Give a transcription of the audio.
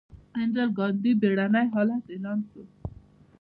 اندرا ګاندي بیړنی حالت اعلان کړ.